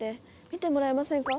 見てもらえませんか？